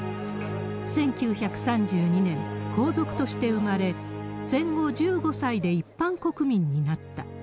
１９３２年、皇族として生まれ、戦後、１５歳で一般国民になった。